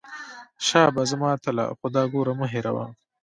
شابه زما اتله خو دا ګوره مه هېروه.